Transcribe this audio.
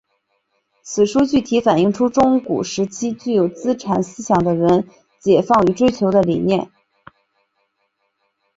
此书具体反映出中古时期具有资产思想的人解放与追求的理念。